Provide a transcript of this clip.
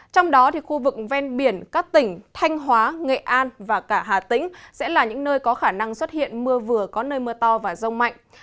trong đó khu vực ven biển các tỉnh thanh hóa nghệ an và cả hà tĩnh sẽ là những nơi có khả năng xuất hiện mưa vừa có nơi mưa to và rông mạnh